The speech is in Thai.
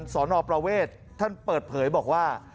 สนประเวทท่านเปิดเผยบอกว่า